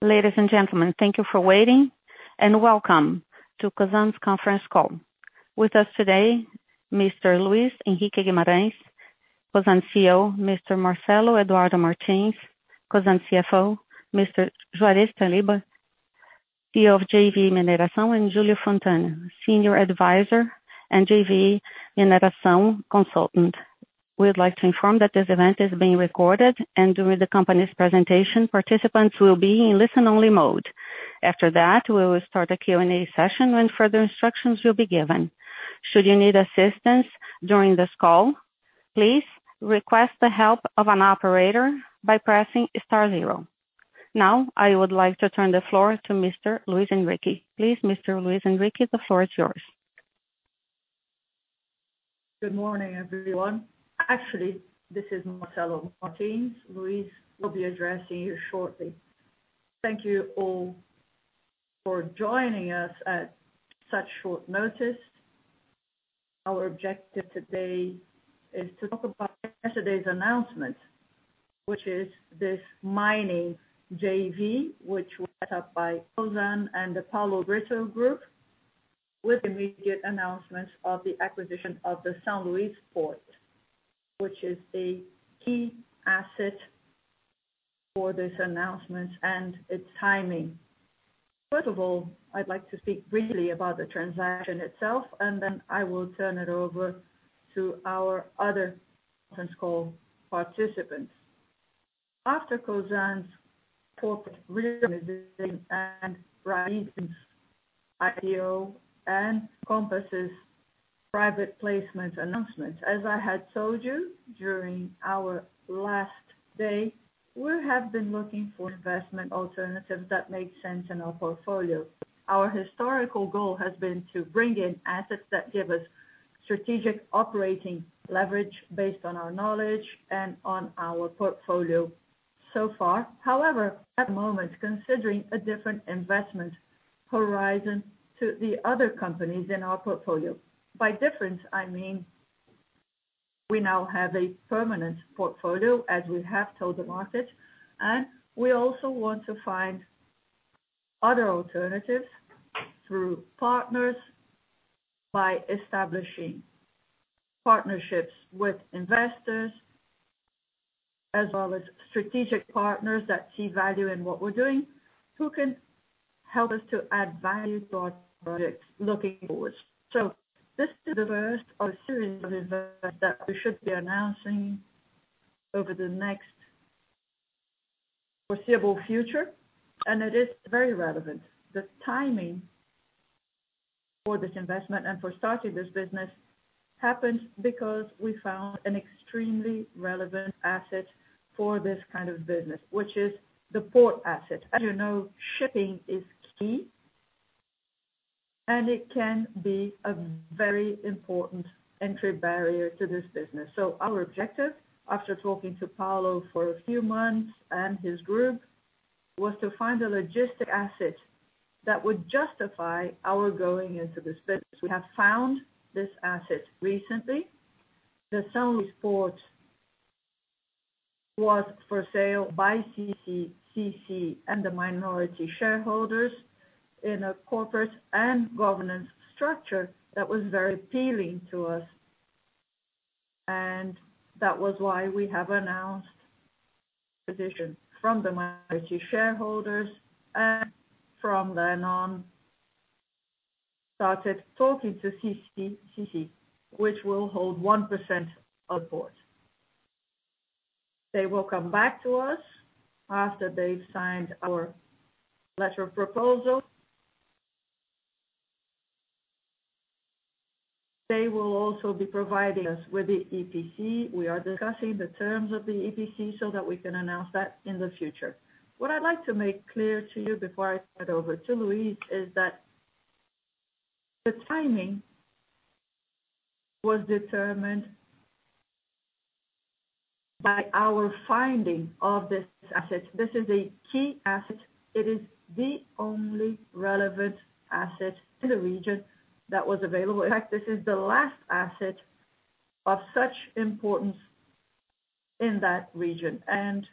Ladies and gentlemen, thank you for waiting, and welcome to Cosan's conference call. With us today, Mr. Luis Henrique Guimarães, Cosan CEO, Mr. Marcelo Eduardo Martins, Cosan CFO, Mr. Juarez Saliba, CEO of JV Mineração, and Júlio Fontana, senior advisor and JV Mineração consultant. We'd like to inform that this event is being recorded, and during the company's presentation, participants will be in listen-only mode. After that, we will start a Q&A session when further instructions will be given. Should you need assistance during the call, please request the help of an operator by pressing star zero. Now, I would like to turn the floor to Mr. Luis Henrique. Please, Mr. Luis Henrique, the floor is yours. Good morning, everyone. This is Marcelo Martins. Luis will be addressing you shortly. Thank you all for joining us at such short notice. Our objective today is to talk about yesterday's announcement, which is this JV Mineração, which was set up by Cosan and the Paulo Brito Group, with immediate announcements of the acquisition of the Port of São Luís, which is a key asset for this announcement and its timing. I'd like to speak briefly about the transaction itself, and then I will turn it over to our other conference call participants. After Cosan's corporate reorganizing and Raízen's IPO and Compass' private placement announcements, as I had told you during our last day, we have been looking for investment alternatives that make sense in our portfolio. Our historical goal has been to bring in assets that give us strategic operating leverage based on our knowledge and on our portfolio so far. However, at the moment, considering a different investment horizon to the other companies in our portfolio. By different, I mean we now have a permanent portfolio as we have told the market, and we also want to find other alternatives through partners by establishing partnerships with investors as well as strategic partners that see value in what we're doing who can help us to add value to our projects looking forward. This is the first of a series of events that we should be announcing over the next foreseeable future, and it is very relevant. The timing for this investment and for starting this business happened because we found an extremely relevant asset for this kind of business, which is the port asset. As you know, shipping is key, and it can be a very important entry barrier to this business. Our objective, after talking to Paulo for a few months and his group, was to find a logistic asset that would justify our going into this business. We have found this asset recently. The São Luís Port was for sale by CCCC and the minority shareholders in a corporate and governance structure that was very appealing to us. That was why we have announced positions from the minority shareholders and from then on, started talking to CCCC, which will hold 1% of the port. They will come back to us after they've signed our letter of proposal. They will also be providing us with the EPC. We are discussing the terms of the EPC so that we can announce that in the future. What I'd like to make clear to you before I hand over to Luis is that the timing was determined by our finding of this asset. This is a key asset. It is the only relevant asset in the region that was available. In fact, this is the last asset of such importance in that region, and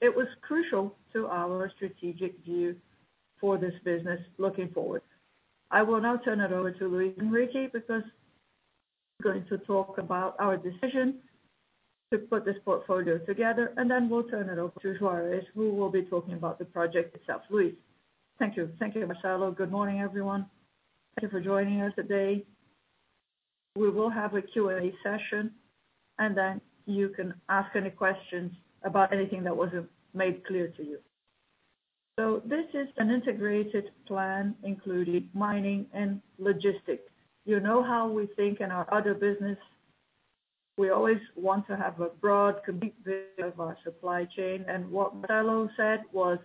it was crucial to our strategic view for this business looking forward. I will now turn it over to Luis Henrique because he's going to talk about our decision to put this portfolio together, and then we'll turn it over to Juarez, who will be talking about the project itself. Luis. Thank you. Thank you, Marcelo. Good morning, everyone. Thank you for joining us today. We will have a Q&A session. You can ask any questions about anything that wasn't made clear to you. This is an integrated plan, including mining and logistics. You know how we think in our other business. We always want to have a broad, complete view of our supply chain. What Marcelo said was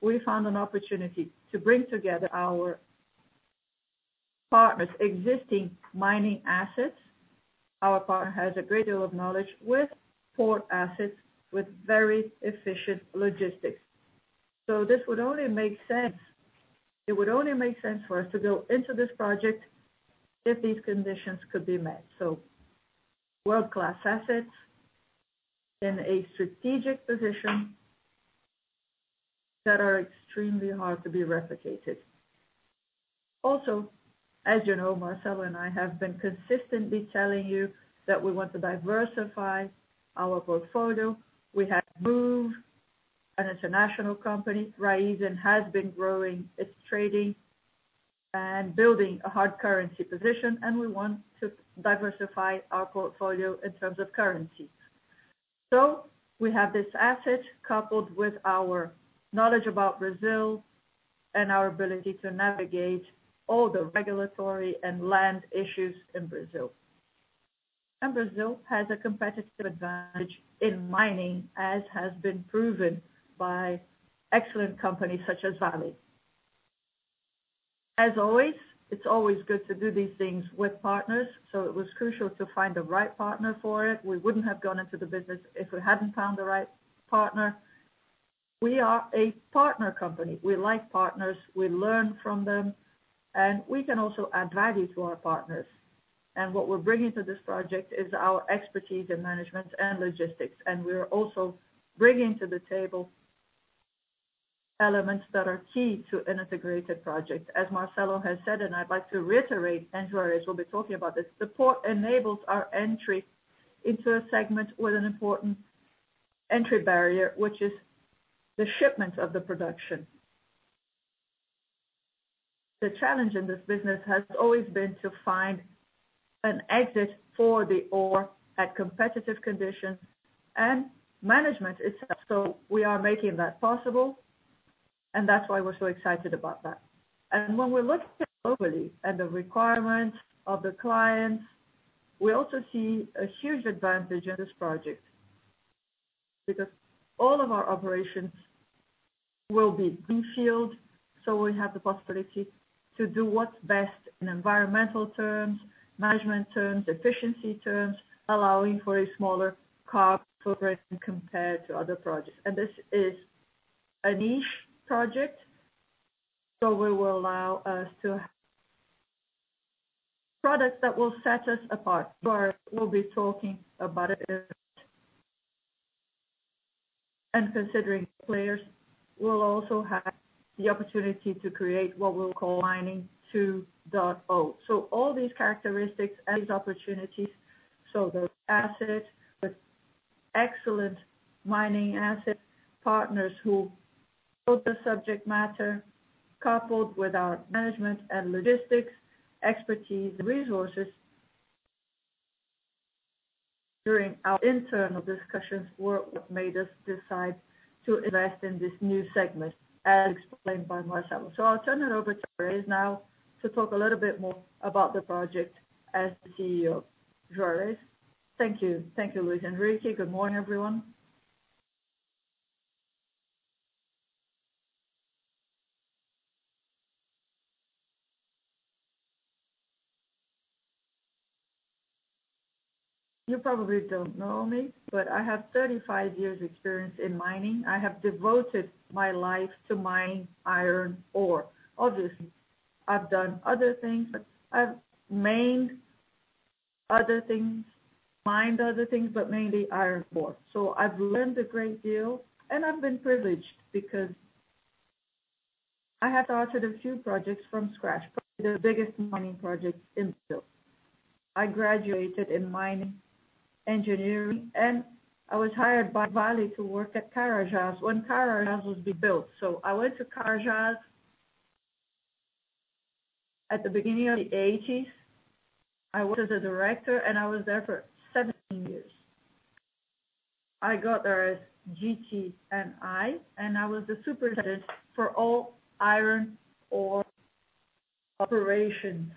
we found an opportunity to bring together our partner's existing mining assets. Our partner has a great deal of knowledge with port assets with very efficient logistics. It would only make sense for us to go into this project if these conditions could be met. World-class assets in a strategic position that are extremely hard to be replicated. Also, as you know, Marcelo and I have been consistently telling you that we want to diversify our portfolio. We have moved an international company. Raízen has been growing its trading and building a hard currency position, and we want to diversify our portfolio in terms of currency. We have this asset coupled with our knowledge about Brazil and our ability to navigate all the regulatory and land issues in Brazil. Brazil has a competitive advantage in mining, as has been proven by excellent companies such as Vale. As always, it's always good to do these things with partners, so it was crucial to find the right partner for it. We wouldn't have gone into the business if we hadn't found the right partner. We are a partner company. We like partners. We learn from them, and we can also add value to our partners. What we're bringing to this project is our expertise in management and logistics. We're also bringing to the table elements that are key to an integrated project. As Marcelo has said, and I'd like to reiterate, and Juarez will be talking about this, the port enables our entry into a segment with an important entry barrier, which is the shipment of the production. The challenge in this business has always been to find an exit for the ore at competitive conditions and management itself. We are making that possible, and that's why we're so excited about that. When we look globally at the requirements of the clients, we also see a huge advantage in this project because all of our operations will be greenfield, so we have the possibility to do what's best in environmental terms, management terms, efficiency terms, allowing for a smaller carbon footprint compared to other projects. This is a niche project, so it will allow us to have products that will set us apart. Juarez will be talking about it in a bit. Considering players, we'll also have the opportunity to create what we'll call Mining 2.0. All these characteristics and these opportunities, those assets with excellent mining asset partners who know the subject matter, coupled with our management and logistics expertise and resources during our internal discussions were what made us decide to invest in this new segment, as explained by Marcelo. I'll turn it over to Juarez now to talk a little bit more about the project as the CEO. Juarez. Thank you. Thank you, Luis Henrique and Good morning, everyone. You probably don't know me, but I have 35 years experience in mining. I have devoted my life to mine iron ore. Obviously, I've done other things, but I've mined other things, but mainly iron ore. I've learned a great deal, and I've been privileged because I have started a few projects from scratch, probably the biggest mining projects in Brazil. I graduated in mining engineering, and I was hired by Vale to work at Carajás when Carajás was being built. I went to Carajás at the beginning of the '80s. I was a director, and I was there for 17 years. I got there as GTNI, and I was the superintendent for all iron ore operations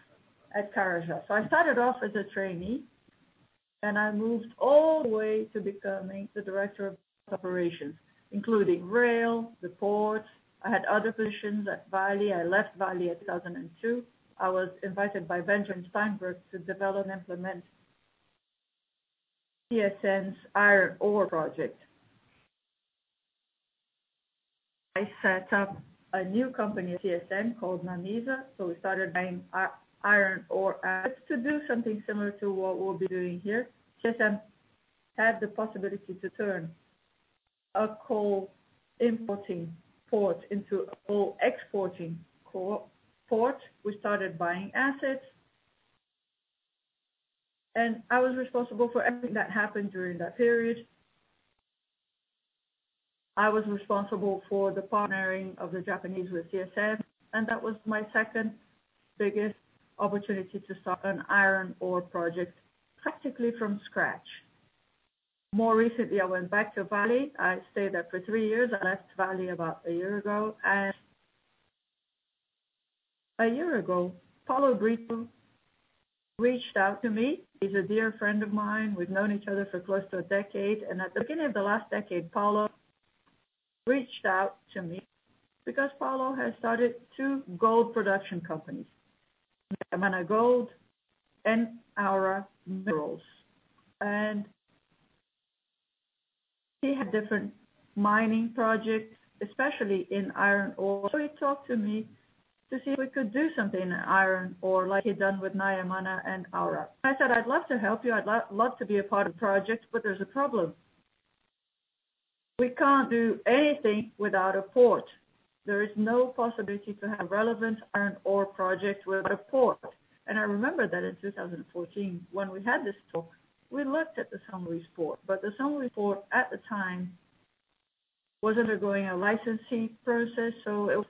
at Carajás. I started off as a trainee, and I moved all the way to becoming the director of operations, including rail, the port.I had other positions at Vale. I left Vale in 2002. I was invited by Benjamin Steinbruch to develop and implement CSN's iron ore project. I set up a new company with CSN called Namisa. We started mining iron ore to do something similar to what we'll be doing here. CSN had the possibility to turn a coal importing port into a coal exporting port. We started buying assets, and I was responsible for everything that happened during that period.I was responsible for the partnering of the Japanese with CSN, and that was my second biggest opportunity to start an iron ore project, practically from scratch. More recently, I went back to Vale. I stayed there for three years. I left Vale about a year ago, and a year ago, Paulo Brito reached out to me. He's a dear friend of mine. We've known each other for close to a decade. At the beginning of the last decade, Paulo reached out to me because Paulo has started two gold production companies, Yamana Gold and Aura Minerals. He had different mining projects, especially in iron ore. He talked to me to see if we could do something in iron ore like he'd done with Yamana and Aura. I said, "I'd love to help you. I'd love to be a part of the project, but there's a problem. We can't do anything without a port. There is no possibility to have a relevant iron ore project without a port." I remember that in 2014, when we had this talk, we looked at the São Luís port. The São Luís port, at the time, was undergoing a licensing process, so it was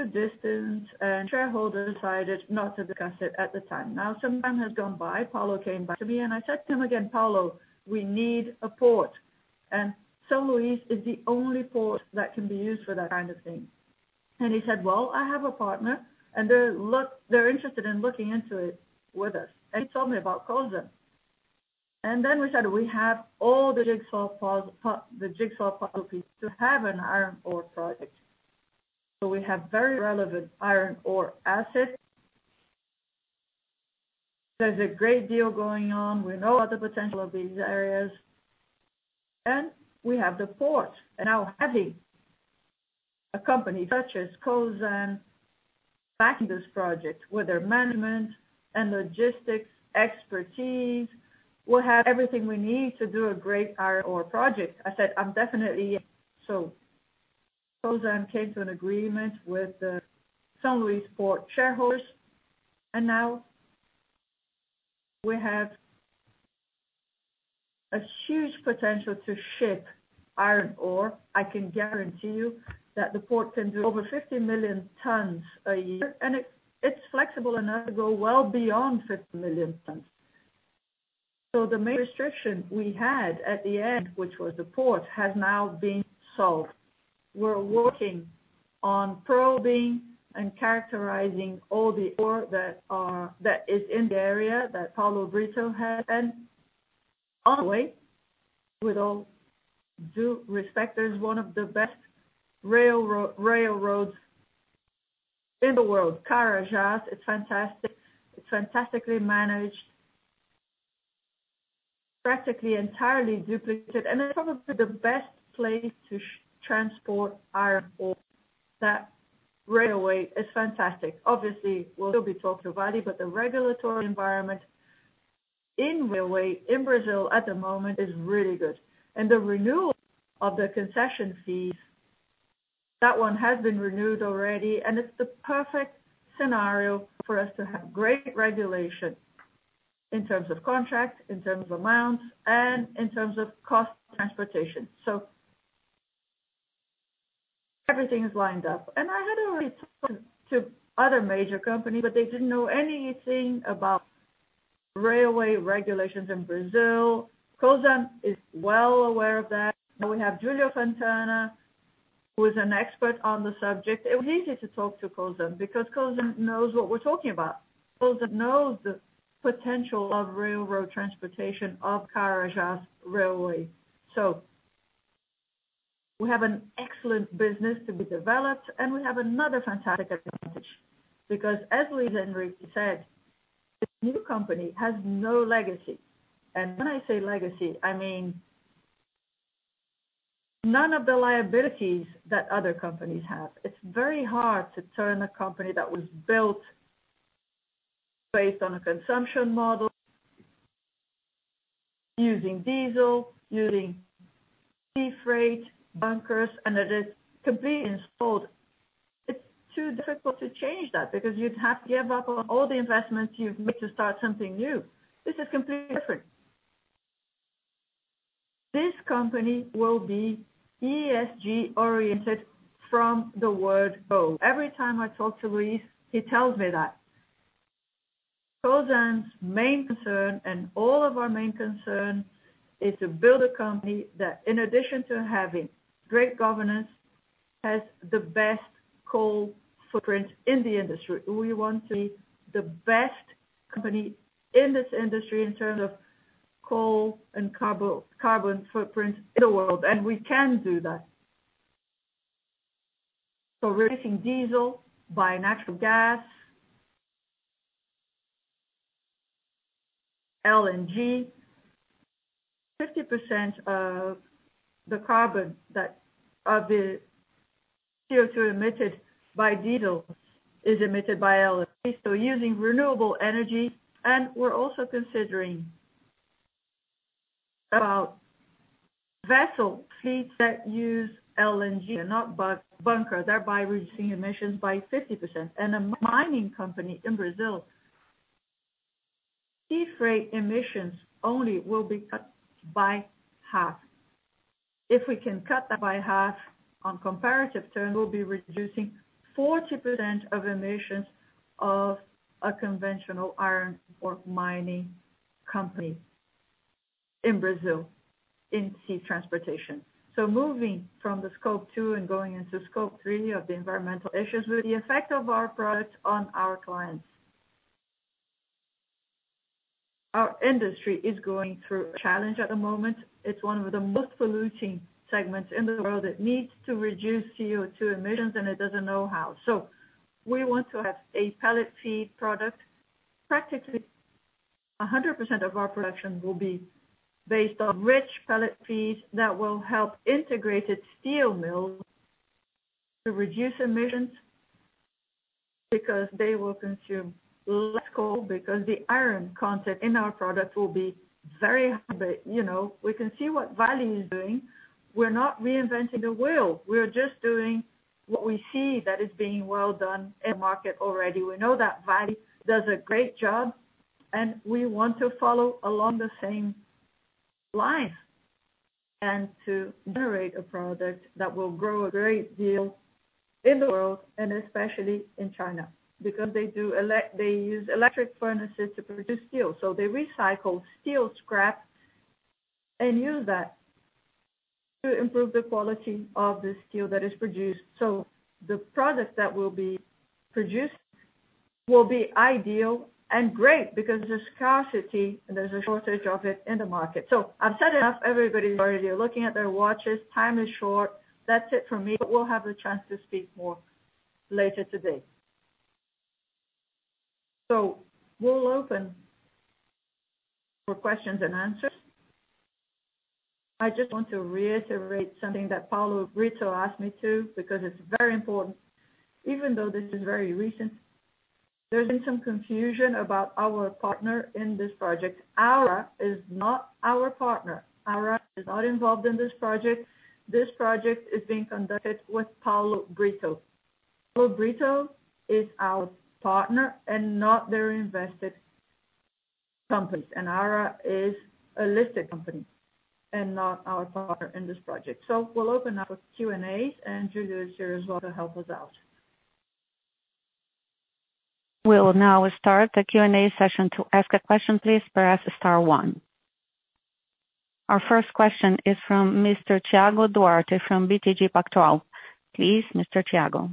a distance, and shareholders decided not to discuss it at the time. Some time has gone by. Paulo came back to me, and I said to him again, "Paulo, we need a port. São Luís is the only port that can be used for that kind of thing. He said, "Well, I have a partner, and they're interested in looking into it with us." He told me about Cosan. We said, we have all the jigsaw puzzle pieces to have an iron ore project. We have very relevant iron ore assets. There's a great deal going on. We know about the potential of these areas. We have the port. Having a company such as Cosan backing this project with their management and logistics expertise, we'll have everything we need to do a great iron ore project. I said, "I'm definitely in." Cosan came to an agreement with the São Luís port shareholders, and now we have a huge potential to ship iron ore. I can guarantee you that the port can do over 50 million tons a year, and it's flexible enough to go well beyond 50 million tons. The main restriction we had at the end, which was the port, has now been solved. We're working on probing and characterizing all the ore that is in the area that Paulo Brito has. On the way, with all due respect, there's one of the best railroads in the world. Carajás. It's fantastic. It's fantastically managed. Practically entirely duplicated. It's probably the best place to transport iron ore. That railway is fantastic. Obviously, we'll still be talking to Vale, but the regulatory environment in railway in Brazil at the moment is really good. The renewal of the concession fees, that one has been renewed already, and it's the perfect scenario for us to have great regulation in terms of contracts, in terms of amounts, and in terms of cost of transportation. Everything is lined up. I had already talked to other major companies, but they didn't know anything about railway regulations in Brazil. Cosan is well aware of that. Now we have Júlio Fontana, who is an expert on the subject. It was easy to talk to Cosan because Cosan knows what we're talking about. Cosan knows the potential of railroad transportation of Carajás Railway. We have an excellent business to be developed, and we have another fantastic advantage because as Luis Henrique said, this new company has no legacy. When I say legacy, I mean none of the liabilities that other companies have. It's very hard to turn a company that was built based on a consumption model, using diesel, using sea freight, bunkers, and it is completely installed. It's too difficult to change that because you'd have to give up on all the investments you've made to start something new. This is completely different. This company will be ESG-oriented from the word go. Every time I talk to Luis, he tells me that. Cosan's main concern and all of our main concern is to build a company that, in addition to having great governance, has the best carbon footprint in the industry. We want to be the best company in this industry in terms of coal and carbon footprint in the world, and we can do that. Replacing diesel by natural gas, LNG, 50% of the carbon that of the CO2 emitted by diesel is emitted by LNG. Using renewable energy, and we're also considering about vessel fleets that use LNG and not bunker, thereby reducing emissions by 50%. A mining company in Brazil, sea freight emissions only will be cut by half. If we can cut that by half on comparative terms, we'll be reducing 40% of emissions of a conventional iron ore mining company in Brazil in sea transportation. Moving from the Scope 2 and going into Scope 3 of the environmental issues with the effect of our products on our clients. Our industry is going through a challenge at the moment. It's one of the most polluting segments in the world. It needs to reduce CO2 emissions, and it doesn't know how. We want to have a pellet feed product. Practically 100% of our production will be based on rich pellet feeds that will help integrated steel mills to reduce emissions because they will consume less coal, because the iron content in our product will be very high. We can see what Vale is doing. We are not reinventing the wheel. We are just doing what we see that is being well done in the market already. We know that Vale does a great job, and we want to follow along the same lines and to generate a product that will grow a great deal in the world and especially in China. Because they use electric furnaces to produce steel. They recycle steel scrap and use that to improve the quality of the steel that is produced. The product that will be produced will be ideal and great because there's a scarcity and there's a shortage of it in the market. I've said enough. Everybody is already looking at their watches. Time is short. That's it from me. We'll have the chance to speak more later today. We'll open for questions and answers. I just want to reiterate something that Paulo Brito asked me to, because it's very important. Even though this is very recent, there's been some confusion about our partner in this project. Aura is not our partner. Aura is not involved in this project. This project is being conducted with Paulo Brito. Paulo Brito is our partner and not their invested company. Aura is a listed company and not our partner in this project. We'll open up with Q&A, and Júlio is here as well to help us out. We'll now start the Q&A session. To ask a question, please press star one. Our first question is from Mr. Thiago Duarte from BTG Pactual. Please, Mr. Thiago.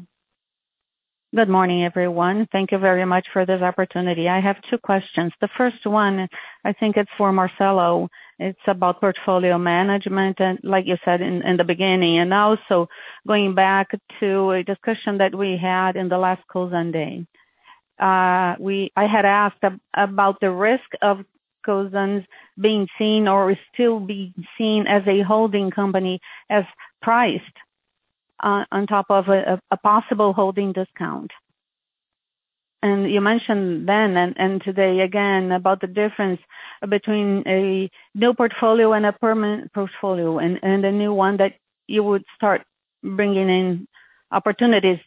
Good morning, everyone. Thank you very much for this opportunity. I have two questions. The first one, I think it's for Marcelo. It's about portfolio management and like you said in the beginning, and also going back to a discussion that we had in the last Cosan Day. I had asked about the risk of Cosan's being seen or still being seen as a holding company, as priced on top of a possible holding discount. You mentioned then and today again about the difference between a new portfolio and a permanent portfolio and a new one that you would start bringing in opportunities to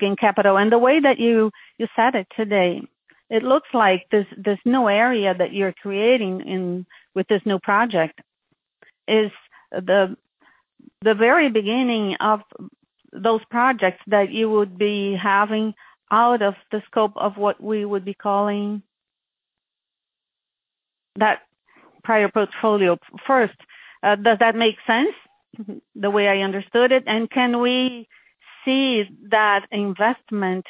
gain capital. The way that you said it today, it looks like this new area that you're creating with this new project is the very beginning of those projects that you would be having out of the scope of what we would be calling that prior portfolio first. Does that make sense, the way I understood it? Can we see that investment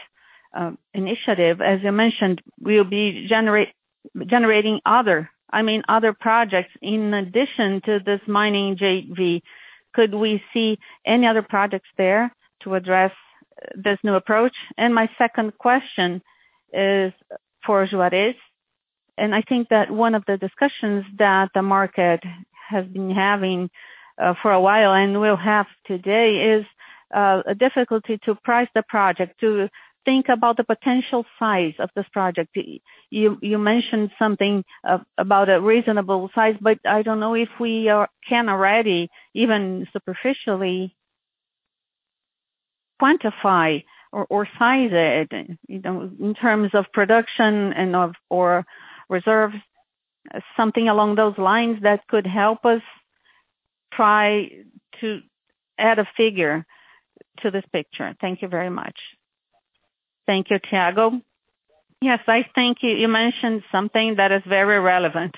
initiative, as you mentioned, will be generating other projects in addition to this mining JV? Could we see any other projects there to address this new approach? My second question is for Juarez. I think that one of the discussions that the market has been having for a while and will have today is, difficulty to price the project, to think about the potential size of this project. You mentioned something about a reasonable size. I don't know if we can already even superficially quantify or size it in terms of production and/or reserves. Something along those lines that could help us try to add a figure to this picture. Thank you very much. Thank you, Thiago. Yes. I think you mentioned something that is very relevant.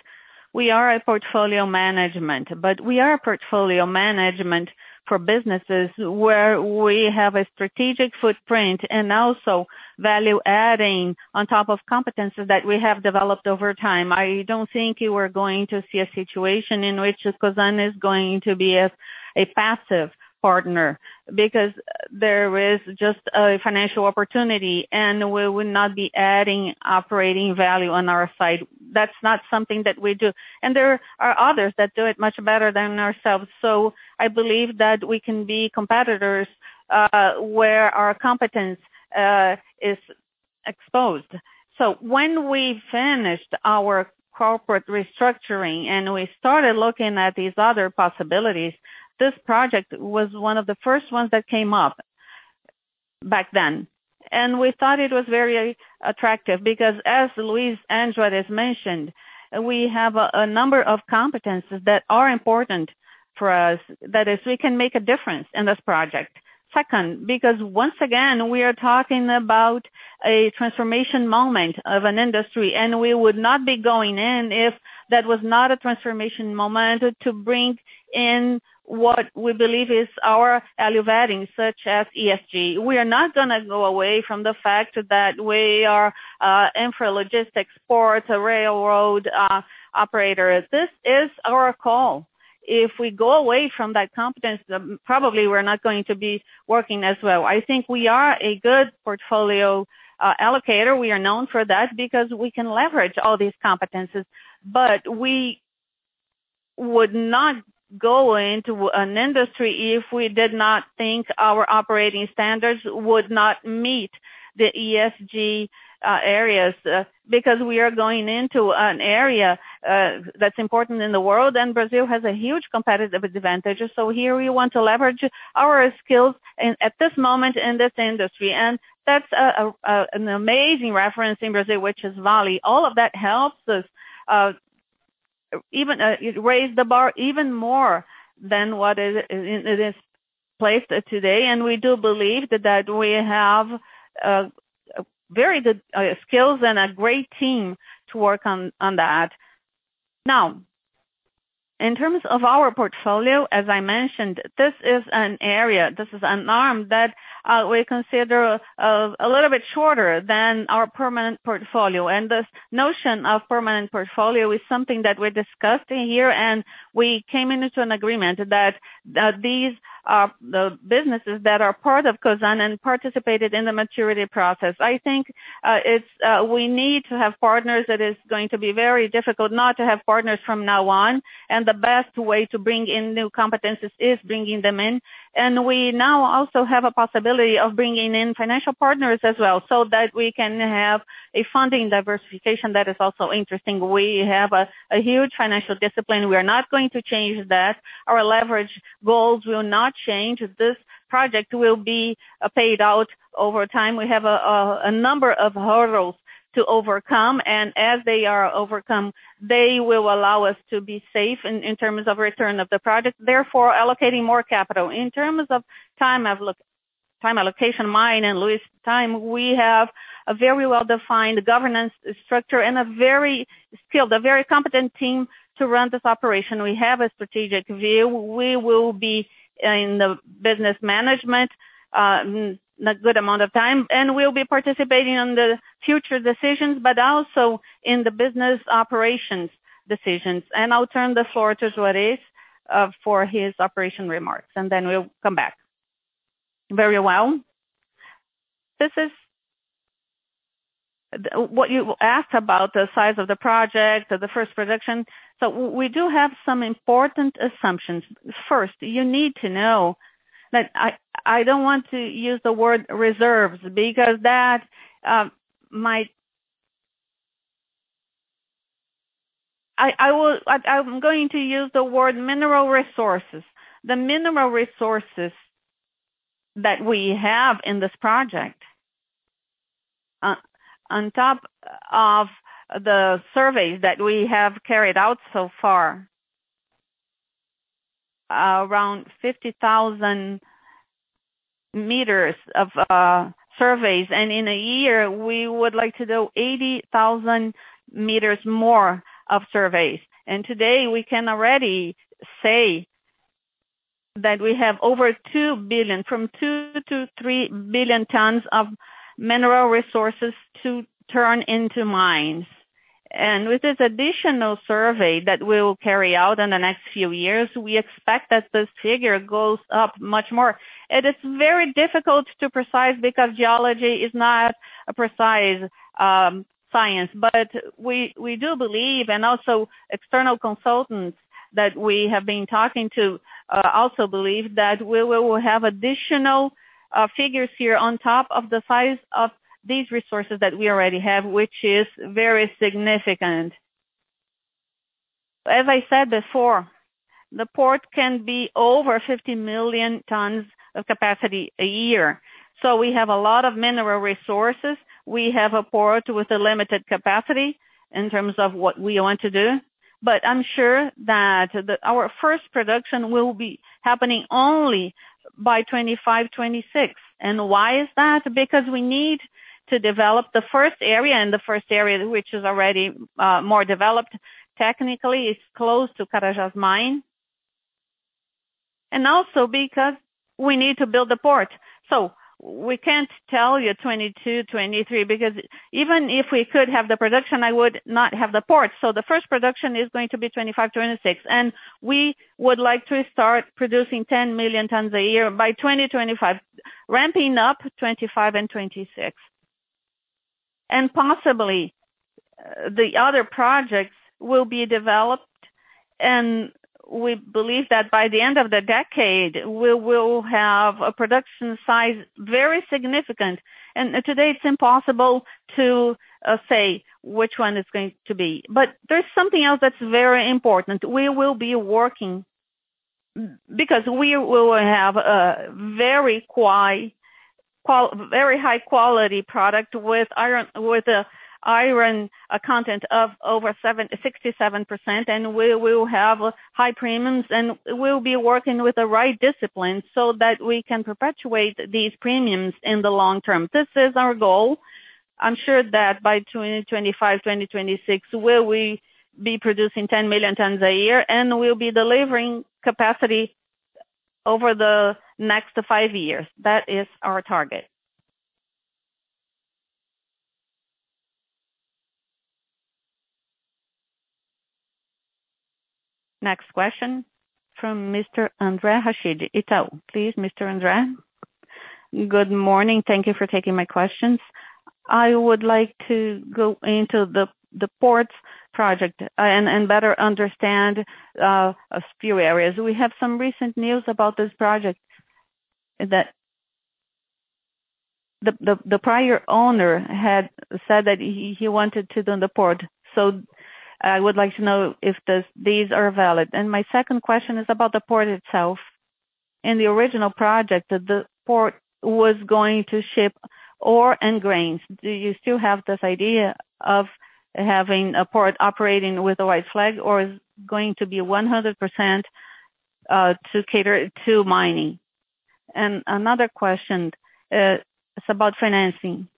We are a portfolio management. We are a portfolio management for businesses where we have a strategic footprint and also value-adding on top of competencies that we have developed over time. I don't think you are going to see a situation in which Cosan is going to be a passive partner because there is just a financial opportunity, and we would not be adding operating value on our side. That's not something that we do. There are others that do it much better than ourselves. I believe that we can be competitors, where our competence is exposed. When we finished our corporate restructuring and we started looking at these other possibilities, this project was one of the first ones that came up back then. We thought it was very attractive because as Luis and Juarez mentioned, we have a number of competencies that are important for us. That is, we can make a difference in this project. Second, because once again, we are talking about a transformation moment of an industry, and we would not be going in if that was not a transformation moment to bring in what we believe is our value-adding, such as ESG. We are not going to go away from the fact that we are a infralogistics port, a railroad operator. This is our call. If we go away from that competence, probably we're not going to be working as well. I think we are a good portfolio allocator. We are known for that because we can leverage all these competencies. Would not go into an industry if we did not think our operating standards would not meet the ESG areas. We are going into an area that's important in the world, and Brazil has a huge competitive advantage. Here we want to leverage our skills at this moment in this industry, and that's an amazing reference in Brazil, which is Vale. All of that helps us raise the bar even more than what it is placed today. We do believe that we have very good skills and a great team to work on that. In terms of our portfolio, as I mentioned, this is an area, this is an arm that we consider a little bit shorter than our permanent portfolio. This notion of permanent portfolio is something that we're discussing here, and we came into an agreement that these are the businesses that are part of Cosan and participated in the maturity process. I think we need to have partners. It is going to be very difficult not to have partners from now on. The best way to bring in new competencies is bringing them in. We now also have a possibility of bringing in financial partners as well, so that we can have a funding diversification that is also interesting. We have a huge financial discipline. We are not going to change that. Our leverage goals will not change. This project will be paid out over time. We have a number of hurdles to overcome. As they are overcome, they will allow us to be safe in terms of return of the project, therefore allocating more capital. In terms of time allocation, mine and Luis' time, we have a very well-defined governance structure and a very skilled, competent team to run this operation. We have a strategic view. We will be in the business management a good amount of time. We'll be participating on the future decisions, also in the business operations decisions. I'll turn the floor to Juarez for his operation remarks. Then we'll come back. Very well. What you asked about the size of the project or the first production. We do have some important assumptions. First, you need to know that I don't want to use the word reserves. I'm going to use the word mineral resources. The mineral resources that we have in this project, on top of the surveys that we have carried out so far, around 50,000 m of surveys. In a year, we would like to do 80,000 m more of surveys. Today, we can already say that we have over 2 billion, from 2 billion-3 billion tons of mineral resources to turn into mines. With this additional survey that we will carry out in the next few years, we expect that this figure goes up much more. It is very difficult to precise because geology is not a precise science. We do believe, and also external consultants that we have been talking to also believe, that we will have additional figures here on top of the size of these resources that we already have, which is very significant. As I said before, the port can be over 50 million tons of capacity a year. We have a lot of mineral resources. We have a port with a limited capacity in terms of what we want to do. I'm sure that our first production will be happening only by 2025, 2026. Why is that? Because we need to develop the first area, and the first area, which is already more developed technically, is close to Carajás mine. Also because we need to build the port. We can't tell you 2022, 2023, because even if we could have the production, I would not have the port. The first production is going to be 2025, 2026. We would like to start producing 10 million tons a year by 2025, ramping up 2025 and 2026. Possibly the other projects will be developed, and we believe that by the end of the decade, we will have a production size very significant. Today it's impossible to say which one it's going to be. There's something else that's very important. We will be working because we will have a very high quality product with iron content of over 67%, and we will have high premiums, and we will be working with the right discipline so that we can perpetuate these premiums in the long term. This is our goal. I'm sure that by 2025, 2026, we will be producing 10 million tons a year, and we'll be delivering capacity over the next five years. That is our target. Next question from Mr. André Rashid, Itaú. Please, Mr. André. Good morning. Thank you for taking my questions. I would like to go into the ports project and better understand a few areas. We have some recent news about this project, that the prior owner had said that he wanted to do the port. I would like to know if these are valid. My second question is about the port itself. In the original project, the port was going to ship ore and grains. Do you still have this idea of having a port operating with a white flag, or is going to be 100% to cater to mining? Another question is about financing.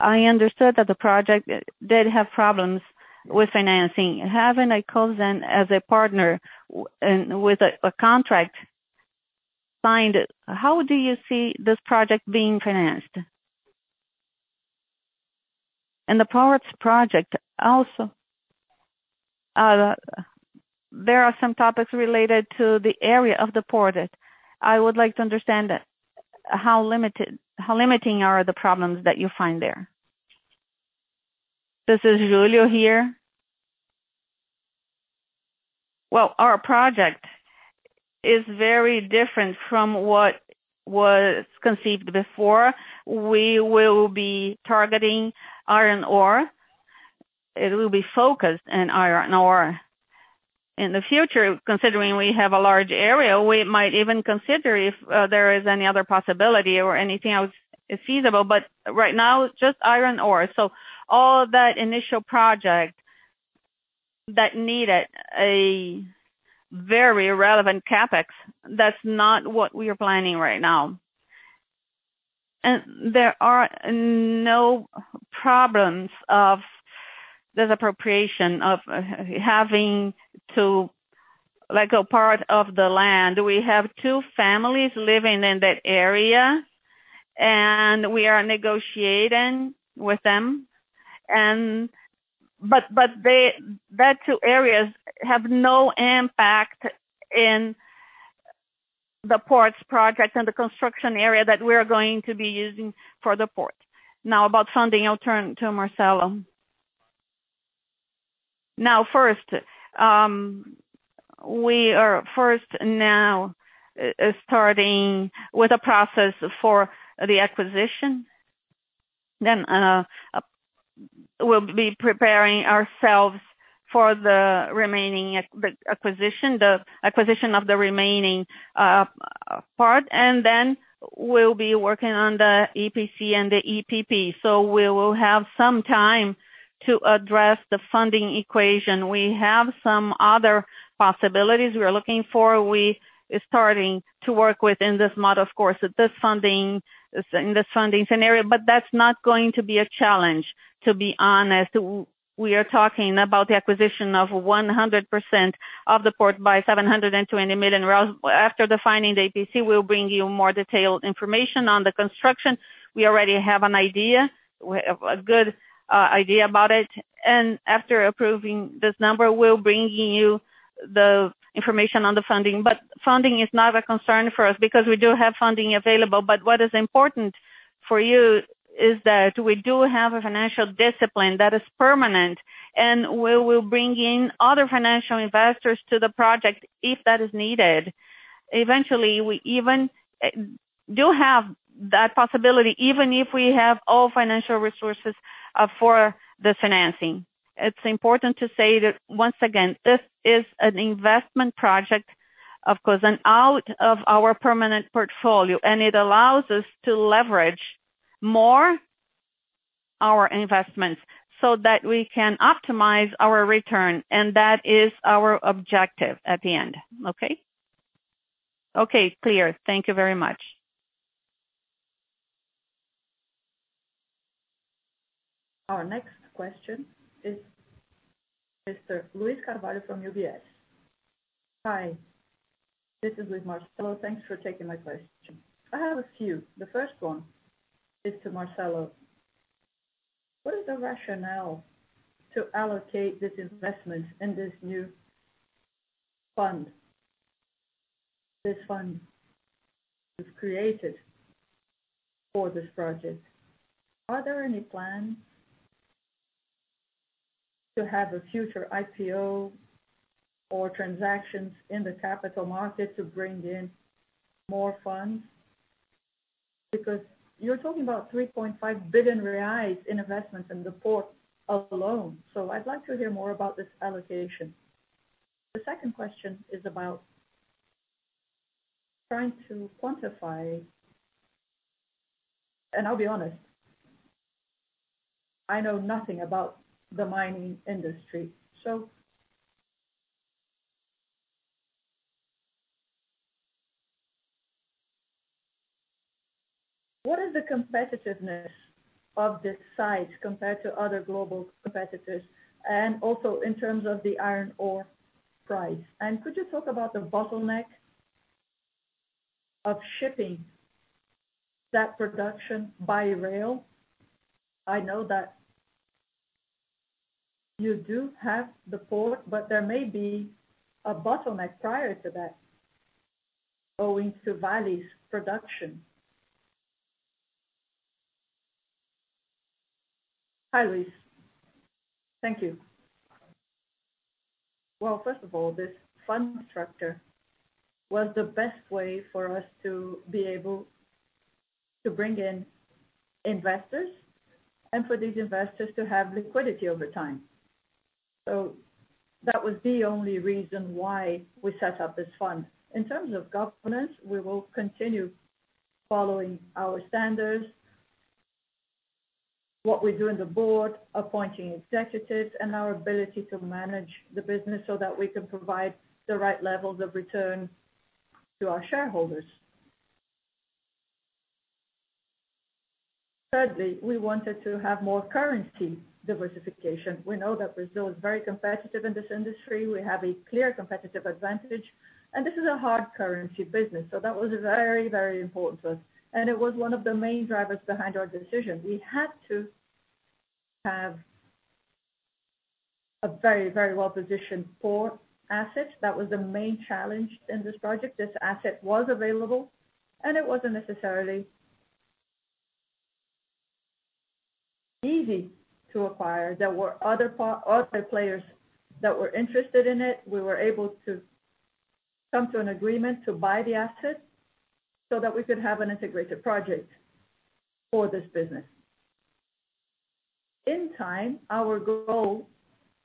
I understood that the project did have problems with financing. Having Cosan as a partner and with a contract signed, how do you see this project being financed? The ports project also. There are some topics related to the area of the port that I would like to understand how limiting are the problems that you find there. This is Júlio here. Well, our project is very different from what was conceived before. We will be targeting iron ore. It will be focused in iron ore. In the future, considering we have a large area, we might even consider if there is any other possibility or anything else is feasible. Right now, just iron ore. All that initial project that needed a very relevant CapEx, that's not what we are planning right now. There are no problems of disappropriation of having to let go part of the land. We have two families living in that area, and we are negotiating with them. That two areas have no impact in the ports project and the construction area that we're going to be using for the port. About funding, I'll turn to Marcelo. First. We are first now starting with a process for the acquisition. We'll be preparing ourselves for the acquisition of the remaining part, and then we'll be working on the EPC and the EPP. We will have some time to address the funding equation. We have some other possibilities we're looking for. We're starting to work within this model, of course, in this funding scenario. That's not going to be a challenge, to be honest. We are talking about the acquisition of 100% of the port by 720 million. After defining the EPC, we'll bring you more detailed information on the construction. We already have an idea, a good idea about it. After approving this number, we'll bringing you the information on the funding. Funding is not a concern for us because we do have funding available. What is important for you is that we do have a financial discipline that is permanent, and we will bring in other financial investors to the project if that is needed. Eventually, we even do have that possibility, even if we have all financial resources for the financing. It's important to say that once again, this is an investment project, of course, and out of our permanent portfolio, and it allows us to leverage more our investments so that we can optimize our return, and that is our objective at the end. Okay. Okay, clear. Thank you very much. Our next question is Mr. Luiz Carvalho from UBS. Hi. This is Luiz, Marcelo. Thanks for taking my question. I have a few. The first one is to Marcelo. What is the rationale to allocate this investment in this new fund? This fund was created for this project. Are there any plans to have a future IPO or transactions in the capital market to bring in more funds? You're talking about 3.5 billion reais in investment in the port alone. I'd like to hear more about this allocation. The second question is about trying to quantify, and I'll be honest, I know nothing about the mining industry. What is the competitiveness of this site compared to other global competitors, and also in terms of the iron ore price? Could you talk about the bottleneck of shipping that production by rail? I know that you do have the port, but there may be a bottleneck prior to that owing to Vale's production. Hi, Luiz. Thank you. Well, first of all, this fund structure was the best way for us to be able to bring in investors and for these investors to have liquidity over time. That was the only reason why we set up this fund. In terms of governance, we will continue following our standards, what we do in the board, appointing executives, and our ability to manage the business so that we can provide the right levels of return to our shareholders. Thirdly, we wanted to have more currency diversification. We know that Brazil is very competitive in this industry. We have a clear competitive advantage, and this is a hard currency business, so that was very, very important to us. It was one of the main drivers behind our decision. We had to have a very well-positioned port asset. That was the main challenge in this project. This asset was available, and it wasn't necessarily easy to acquire. There were other players that were interested in it. We were able to come to an agreement to buy the asset so that we could have an integrated project for this business. In time, our goal,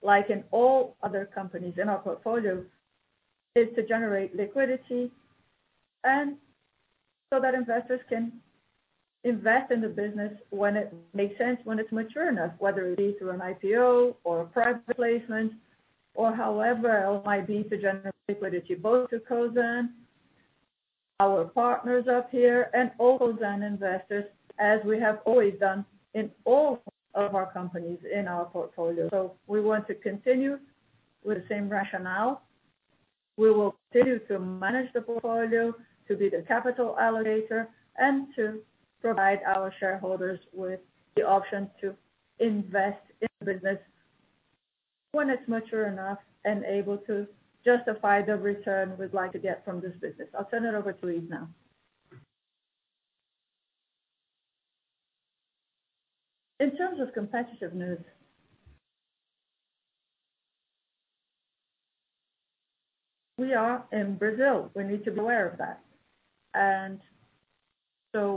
like in all other companies in our portfolio, is to generate liquidity, and so that investors can invest in the business when it makes sense, when it's mature enough. Whether it be through an IPO or a private placement, or however else might be to generate liquidity both to Cosan, our partners up here, and all Cosan investors, as we have always done in all of our companies in our portfolio. We want to continue with the same rationale. We will continue to manage the portfolio, to be the capital allocator, and to provide our shareholders with the option to invest in the business when it's mature enough and able to justify the return we'd like to get from this business. I'll turn it over to Juarez now. In terms of competitiveness, we are in Brazil. We need to be aware of that.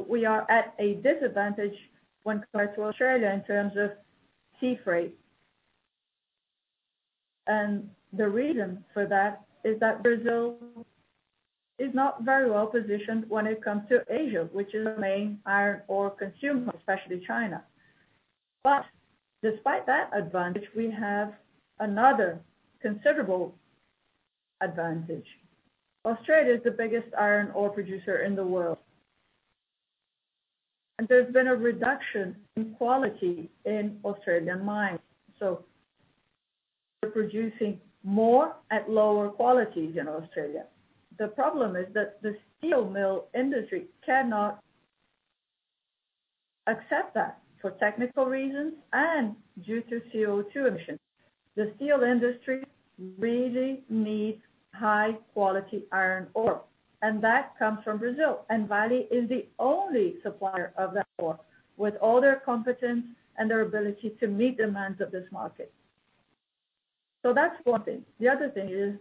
We are at a disadvantage when compared to Australia in terms of sea freight. The reason for that is that Brazil is not very well-positioned when it comes to Asia, which is the main iron ore consumer, especially China. Despite that advantage, we have another considerable advantage. Australia is the biggest iron ore producer in the world. There's been a reduction in quality in Australian mines. They're producing more at lower qualities in Australia. The problem is that the steel mill industry cannot accept that for technical reasons and due to CO2 emissions. The steel industry really needs high-quality iron ore, and that comes from Brazil. Vale is the only supplier of that ore, with all their competence and their ability to meet demands of this market. That's one thing. The other thing is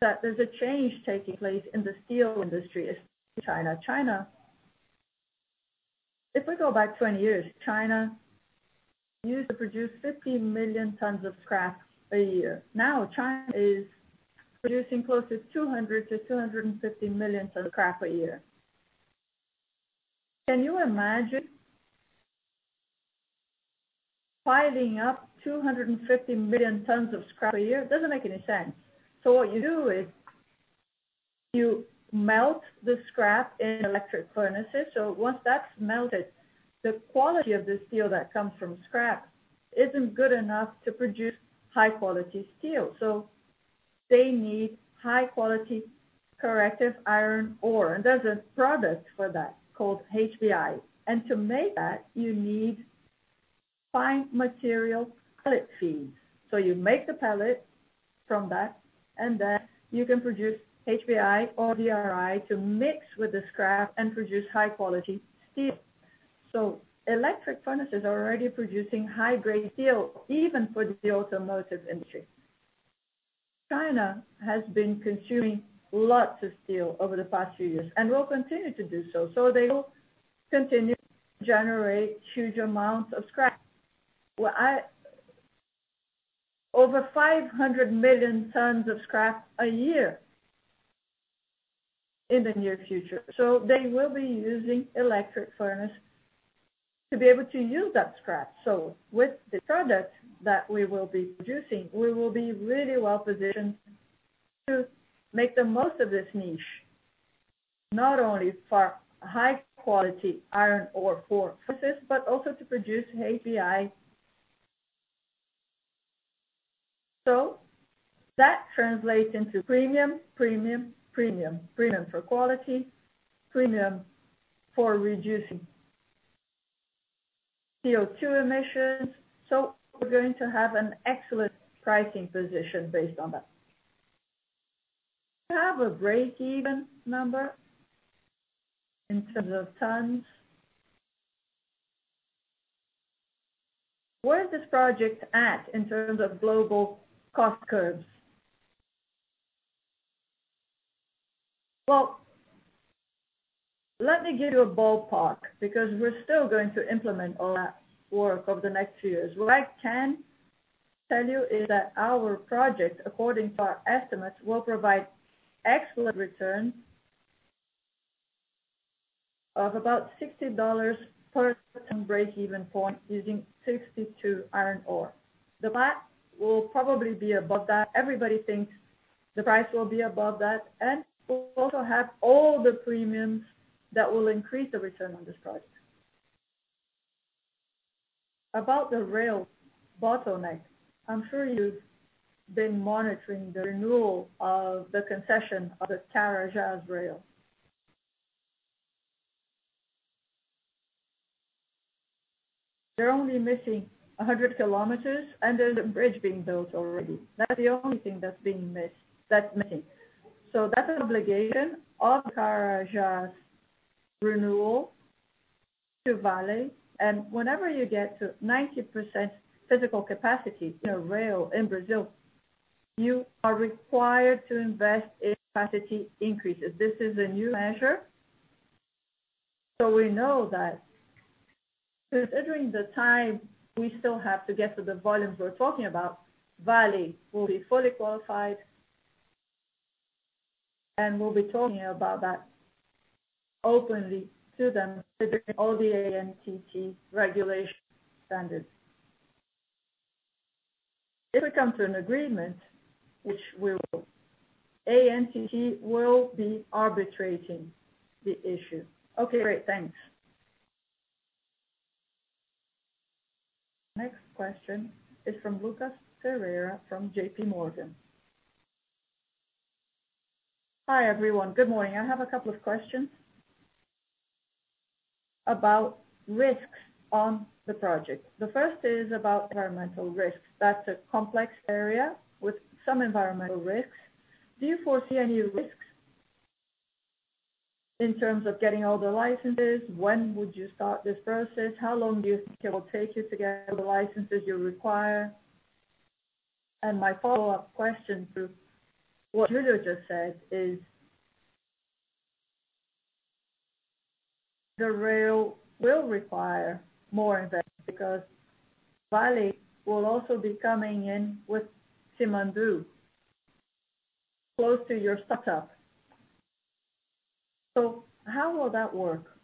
that there's a change taking place in the steel industry, especially China. If we go back 20 years, China used to produce 50 million tons of scrap a year. Now China is producing close to 200 million-250 million tons of scrap a year. Can you imagine piling up 250 million tons of scrap a year? It doesn't make any sense. What you do is you melt the scrap in electric furnaces. Once that's melted, the quality of the steel that comes from scrap isn't good enough to produce high-quality steel. They need high-quality corrective iron ore, and there's a product for that called HBI. To make that you need fine material pellet feeds. You make the pellet from that, and then you can produce HBI or DRI to mix with the scrap and produce high-quality steel. Electric furnaces are already producing high-grade steel, even for the automotive industry. China has been consuming lots of steel over the past few years and will continue to do so. They will continue to generate huge amounts of scrap. Over 500 million tons of scrap a year in the near future. They will be using electric furnace to be able to use that scrap. With the product that we will be producing, we will be really well-positioned to make the most of this niche, not only for high-quality iron ore for purposes, but also to produce HBI. So that translates into premium, premium. Premium for quality, premium for reducing CO2 emissions. We're going to have an excellent pricing position based on that. Do you have a breakeven number in terms of tons? Where is this project at in terms of global cost curves? Let me give you a ballpark, because we're still going to implement all that work over the next two years. What I can tell you is that our project, according to our estimates, will provide excellent return of about $60 per ton breakeven point using $62 iron ore. The price will probably be above that. Everybody thinks the price will be above that, and we'll also have all the premiums that will increase the return on this project. About the rail bottleneck. I'm sure you've been monitoring the renewal of the concession of the Carajás Railway. They're only missing 100 km, and there's a bridge being built already. That's the only thing that's missing. That's an obligation of Carajás renewal to Vale, and whenever you get to 90% physical capacity in a rail in Brazil, you are required to invest in capacity increases. This is a new measure, so we know that considering the time we still have to get to the volumes we're talking about, Vale will be fully qualified, and we'll be talking about that openly to them considering all the ANTT regulation standards. If we come to an agreement, which we will, ANTT will be arbitrating the issue. Okay, great. Thanks. Next question is from Lucas Ferreira from JPMorgan. Hi, everyone. Good morning. I have a couple of questions about risks on the project. The first is about environmental risks. That's a complex area with some environmental risks. Do you foresee any risks in terms of getting all the licenses? When would you start this process? How long do you think it will take you to get all the licenses you require? My follow-up question to what Júlio just said is, the rail will require more investment because Vale will also be coming in with Simandou close to your startup. How will that work?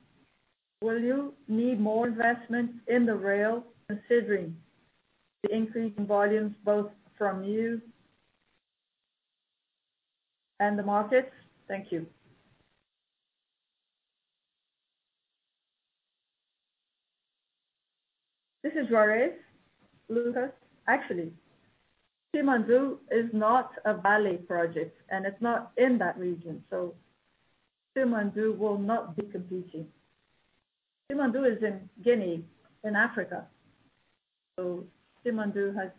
Will you need more investment in the rail considering the increase in volumes, both from you and the markets? Thank you. This is Juarez. Lucas. Actually, Simandou is not a Vale project, and it's not in that region, so Simandou will not be competing. Simandou is in Guinea, in Africa. Simandou has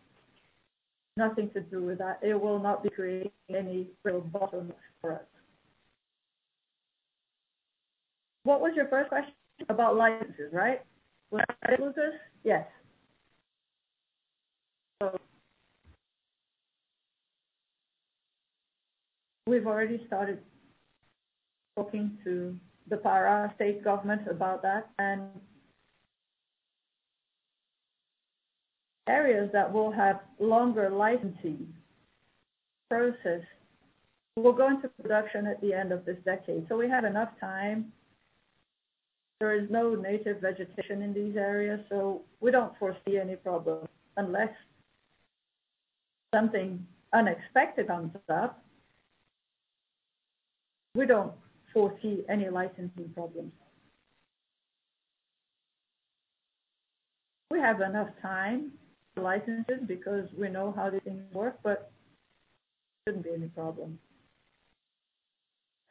nothing to do with that. It will not be creating any real bottleneck for us. What was your first question? About licenses, right? Was it licenses? Yes. We've already started talking to the Pará state government about that, and areas that will have longer licensing process will go into production at the end of this decade. We have enough time. There is no native vegetation in these areas, so we don't foresee any problems unless something unexpected comes up. We don't foresee any licensing problems. We have enough time for licenses because we know how these things work, but shouldn't be any problem.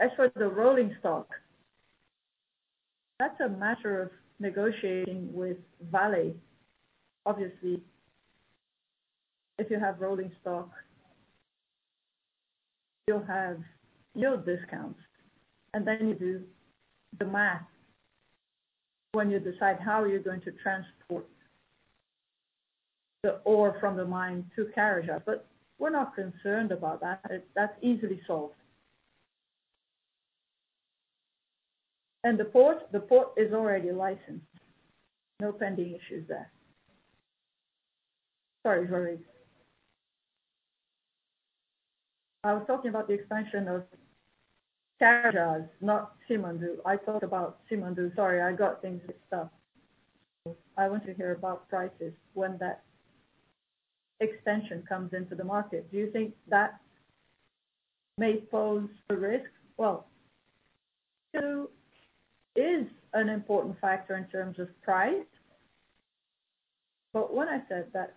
As for the rolling stock, that's a matter of negotiating with Vale. Obviously, if you have rolling stock, you'll have yield discounts, then you do the math when you decide how you're going to transport the ore from the mine to Carajás. We're not concerned about that. That's easily solved. The port? The port is already licensed. No pending issues there. Sorry, Juarez. I was talking about the expansion of Carajás, not Simandou. I thought about Simandou. Sorry, I got things mixed up. I want to hear about prices when that extension comes into the market. Do you think that may pose a risk. Well, two is an important factor in terms of price. When I said that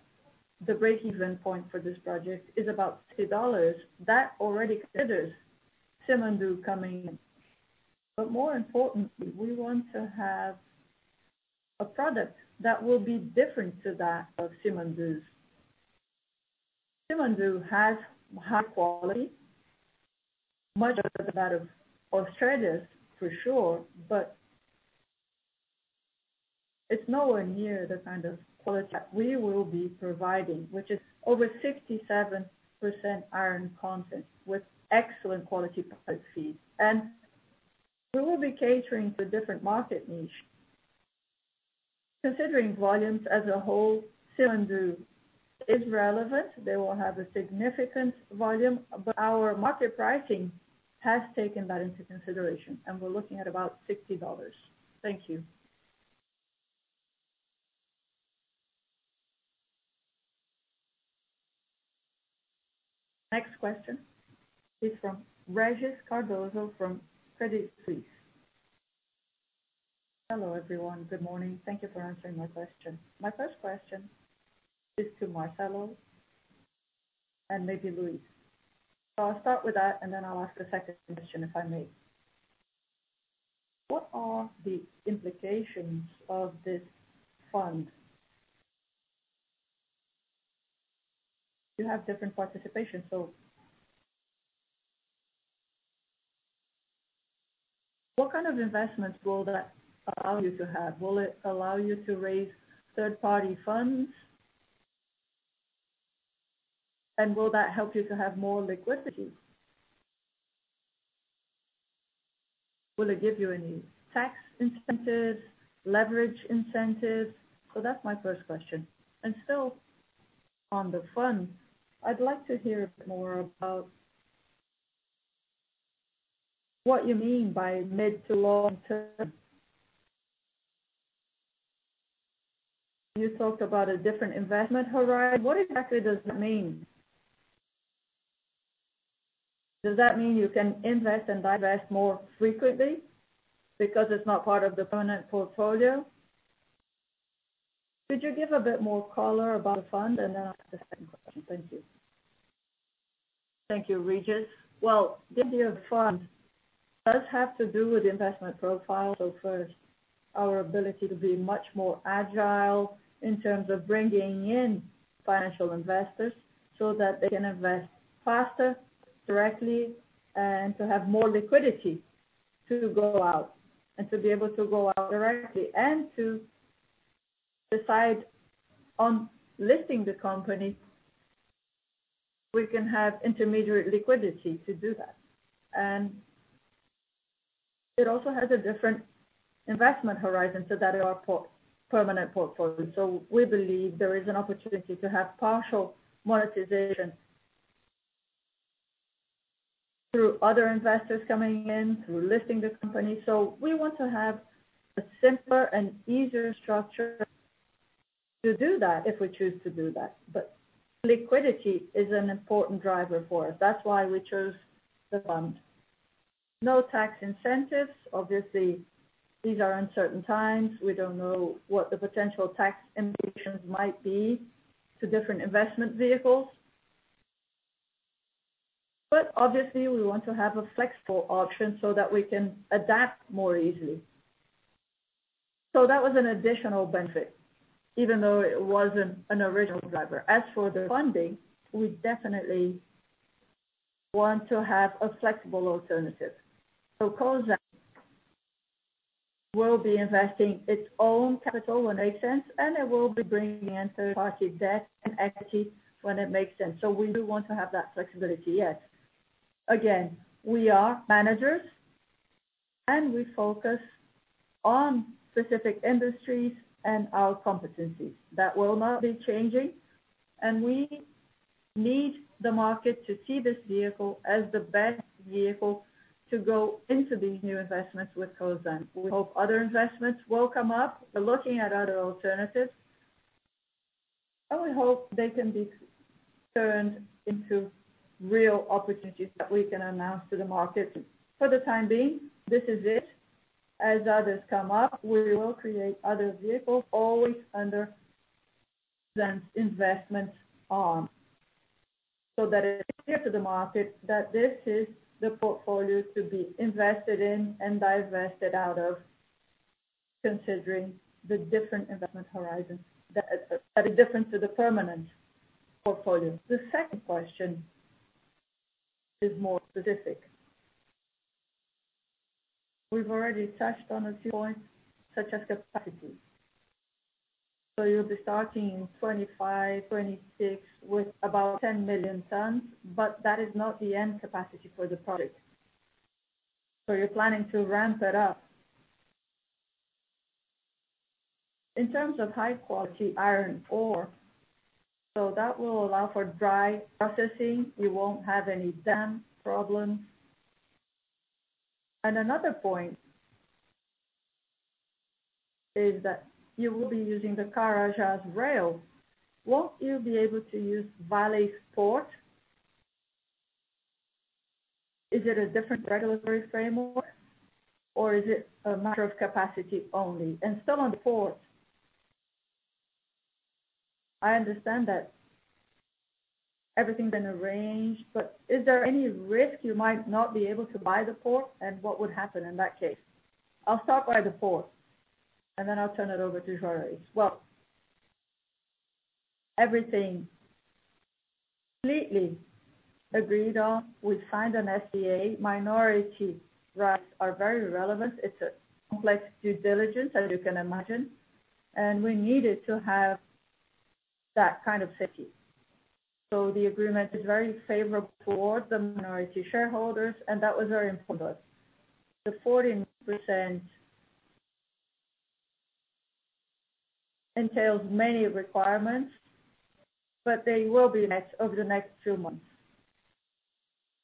the breakeven point for this project is about $50, that already considers Simandou coming in. More importantly, we want to have a product that will be different to that of Simandou's. Simandou has high quality, much better than that of Australia's, for sure. It's nowhere near the kind of quality that we will be providing, which is over 67% iron content with excellent quality product feed. We will be catering to a different market niche. Considering volumes as a whole, Simandou is relevant. They will have a significant volume. Our market pricing has taken that into consideration, and we're looking at about $60. Thank you. Next question is from Régis Cardoso from Credit Suisse. Hello, everyone. Good morning. Thank you for answering my question. My first question is to Marcelo and maybe Luis. I'll start with that, and then I'll ask a second question, if I may. What are the implications of this fund? You have different participation. What kind of investments will that allow you to have? Will it allow you to raise third-party funds? Will that help you to have more liquidity? Will it give you any tax incentives, leverage incentives? That's my first question. Still on the fund, I'd like to hear a bit more about what you mean by mid to long-term. You talked about a different investment horizon. What exactly does that mean? Does that mean you can invest and divest more frequently because it's not part of the permanent portfolio? Could you give a bit more color about the fund? Then I'll ask the second question. Thank you. Thank you, Régis. Well, the idea of fund does have to do with the investment profile. First, our ability to be much more agile in terms of bringing in financial investors so that they can invest faster, directly, and to have more liquidity to go out and to be able to go out directly and to decide on listing the company. We can have intermediate liquidity to do that. It also has a different investment horizon. We believe there is an opportunity to have partial monetization through other investors coming in through listing the company. We want to have a simpler and easier structure to do that, if we choose to do that. Liquidity is an important driver for us. That's why we chose the fund. No tax incentives. Obviously, these are uncertain times. We don't know what the potential tax implications might be to different investment vehicles. Obviously we want to have a flexible option so that we can adapt more easily. That was an additional benefit, even though it wasn't an original driver. As for the funding, we definitely want to have a flexible alternative. Cosan will be investing its own capital when it makes sense, and it will be bringing in third-party debt and equity when it makes sense. We do want to have that flexibility, yes. Again, we are managers, and we focus on specific industries and our competencies. That will not be changing. We need the market to see this vehicle as the best vehicle to go into these new investments with Cosan. We hope other investments will come up. We're looking at other alternatives, and we hope they can be turned into real opportunities that we can announce to the market. For the time being, this is it. As others come up, we will create other vehicles, always under Cosan's investment arm, so that it is clear to the market that this is the portfolio to be invested in and divested out of, considering the different investment horizons that are different to the permanent portfolio. The second question is more specific. We've already touched on a few points, such as capacity. You'll be starting in 2025, 2026 with about 10 million tons, but that is not the end capacity for the project. You're planning to ramp it up. In terms of high-quality iron ore, so that will allow for dry processing. We won't have any dam problems. Another point is that you will be using the Carajás rail. Won't you be able to use Vale's port? Is it a different regulatory framework or is it a matter of capacity only? On port, I understand that everything's been arranged, but is there any risk you might not be able to buy the port? What would happen in that case? I'll start by the port, then I'll turn it over to Juarez. Well, everything completely agreed on. We signed an SPA. Minority rights are very relevant. It's a complex due diligence, as you can imagine. We needed to have that kind of safety. The agreement is very favorable for the minority shareholders, and that was very important. The 14% entails many requirements, but they will be met over the next few months.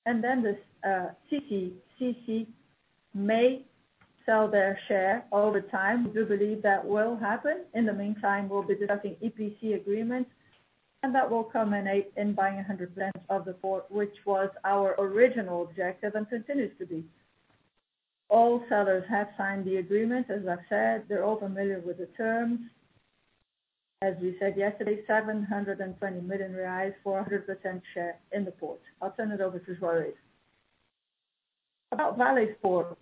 The CCCC may sell their share all the time. We do believe that will happen. In the meantime, we'll be discussing EPC agreements. That will culminate in buying 100% of the port, which was our original objective and continues to be. All sellers have signed the agreement. As I've said, they're all familiar with the terms. We said yesterday, 720 million reais for 100% share in the port. I'll turn it over to Juarez. About Vale's port.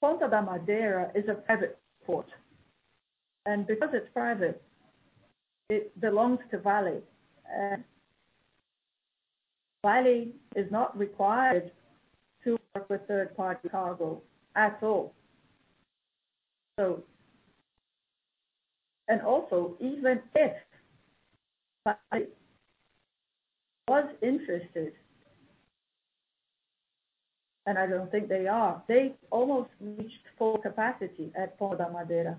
Ponta da Madeira is a private port. Because it's private, it belongs to Vale. Vale is not required to work with third-party cargo at all. Also, even if Vale was interested, I don't think they are, they almost reached full capacity at Ponta da Madeira.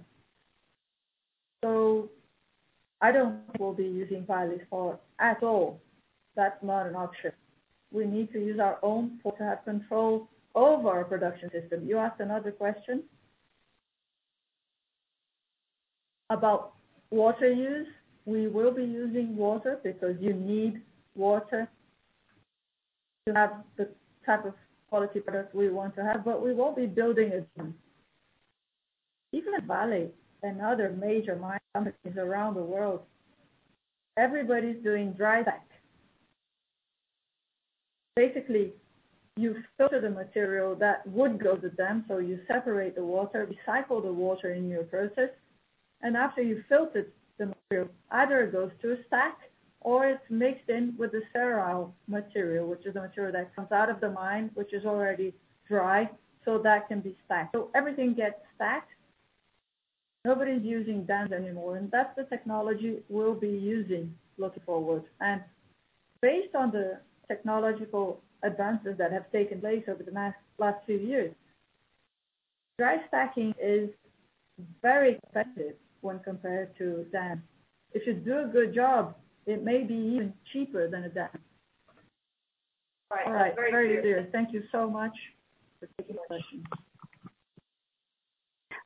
I don't think we'll be using Vale's port at all. That's not an option. We need to use our own port to have control over our production system. You asked another question? About water use. We will be using water because you need water to have the type of quality product we want to have, but we won't be building a dam. Even at Vale and other major mining companies around the world, everybody's doing dry stack. Basically, you filter the material that would go to the dam. You separate the water, recycle the water in your process, and after you've filtered the material, either it goes to a stack or it's mixed in with the sterile material, which is the material that comes out of the mine, which is already dry, so that can be stacked. Everything gets stacked. Nobody's using dams anymore, and that's the technology we'll be using looking forward. Based on the technological advances that have taken place over the last few years, dry stacking is very expensive when compared to dams. If you do a good job, it may be even cheaper than a dam. All right. Very clear. Thank you so much for taking my question.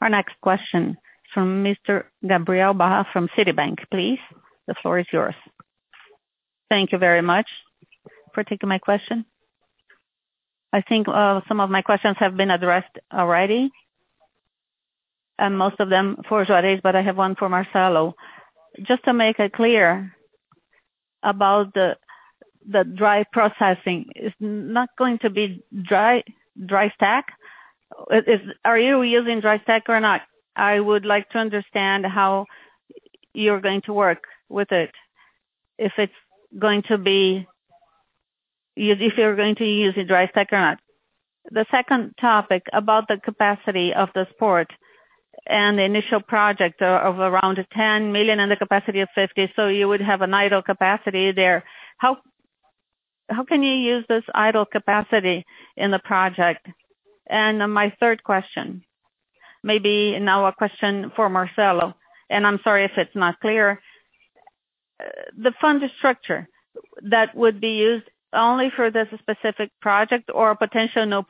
Our next question from Mr. Gabriel Barra from Citibank, please. The floor is yours. Thank you very much for taking my question. I think some of my questions have been addressed already, and most of them for Juarez, but I have one for Marcelo. Just to make it clear about the dry processing. It's not going to be dry stack? Are you using dry stack or not? I would like to understand how you're going to work with it, if you're going to use a dry stack or not. The second topic about the capacity of this port and the initial project of around 10 million tons and the capacity of 50 million tons. You would have an idle capacity there. How can you use this idle capacity in the project? My third question, maybe now a question for Marcelo, and I'm sorry if it's not clear. The fund structure that would be used only for this specific project or potential new